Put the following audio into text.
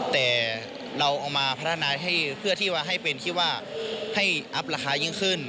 แต่เราเอามาพัฒนาให้เพื่อที่ว่าให้เป็นที่ว่าให้อัพราคายิ่งขึ้น